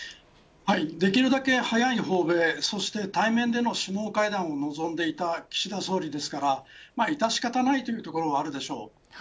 できるだけ早い訪でそして対面での首脳会談を望んでいた岸田総理ですから致し方ないというところがあるでしょう。